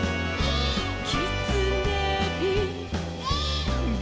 「きつねび」「」